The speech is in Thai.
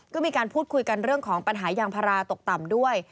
ก็มีการพูดคุยกันเรื่องของปัญหายางพาราตกต่ำด้วย